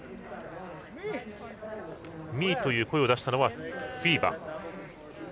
ミーという声を出したのはフィーバ。